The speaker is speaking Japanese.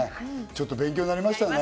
ちょっと勉強になりましたね。